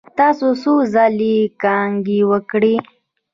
تاسو څو ځلې کانګې وکړې؟